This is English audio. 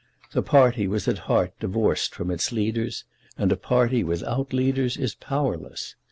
The party was at heart divorced from its leaders, and a party without leaders is powerless.